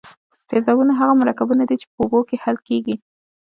تیزابونه هغه مرکبونه دي چې په اوبو کې حل کیږي.